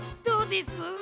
どうです？